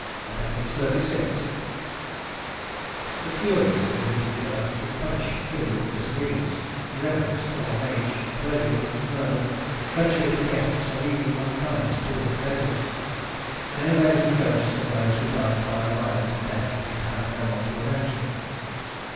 XXXVI The Furies visited the earth to punish filial disobedience, irreverence to old age, perjury, murder, treachery to guests, and even unkindness toward beggars. They avenged the ghosts of those who died by a violent death and had no one to avenge them.